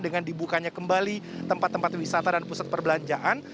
dengan dibukanya kembali tempat tempat wisata dan pusat perbelanjaan